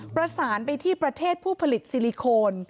ประสานไปที่ประเทศผู้ผลิตซิลิโคน